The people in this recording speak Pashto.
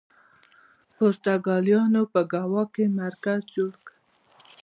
پرتګالیانو په ګوا کې مرکز جوړ کړ.